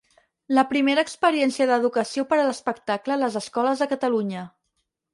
La primera experiència d'educació per a l'espectacle a les escoles de Catalunya.